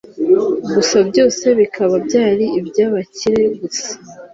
gusa byose bikaba byari iby'abakire gusa